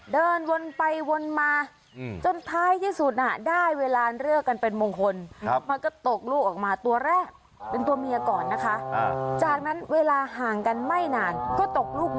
เดินวนไปวนมาจนท้ายที่สุดได้เวลาเลิกกันเป็นมงคล